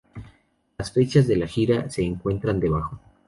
Las fechas de la gira se encuentran debajo.